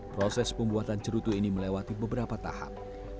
proses pembuatan cerutu ini melewati beberapa tahap